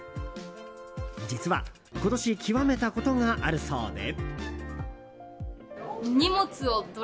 実は、今年極めたことがあるそうで。